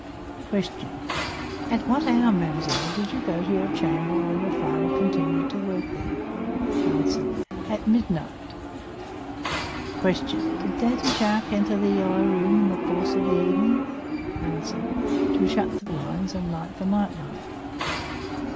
"Q. At what hour, mademoiselle, did you go to your chamber while your father continued to work there? "A. At midnight. "Q. Did Daddy Jacques enter "The Yellow Room" in the course of the evening? "A. To shut the blinds and light the night light.